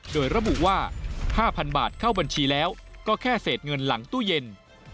โดยระบุว่า๕๐๐๐บาทเข้าบัญชีแล้วก็แค่เศษเงินหลังตู้เย็น